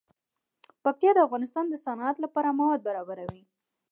پکتیا د افغانستان د صنعت لپاره مواد برابروي.